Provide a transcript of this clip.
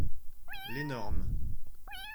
L'énorme.